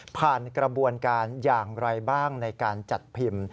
กระบวนการอย่างไรบ้างในการจัดพิมพ์